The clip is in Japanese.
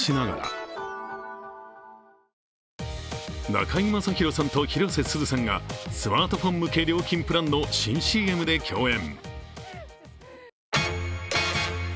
中居正広さんと広瀬すずさんがスマートフォン向け料金プランの新ＣＭで共演。